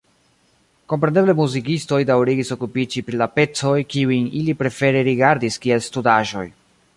Kompreneble muzikistoj daŭrigis okupiĝi pri la pecoj, kiujn ili prefere rigardis kiel studaĵoj.